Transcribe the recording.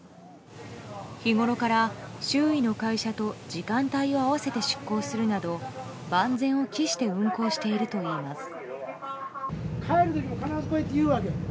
日ごろから周囲の会社と時間帯を合わせて出航するなど万全を期して運航しているといいます。